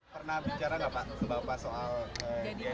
pernah bicara nggak pak soal jadi cawapres